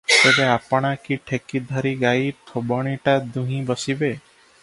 ତେବେ ଆପଣା କି ଠେକି ଧରି ଗାଈ ଥୋବଣିଟା ଦୁହିଁ ବସିବେ?